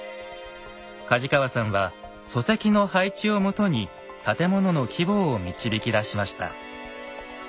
梶川さんは礎石の配置をもとに建物の規模を導き出しました。